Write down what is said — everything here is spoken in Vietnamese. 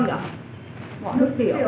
bỏ nước tiểu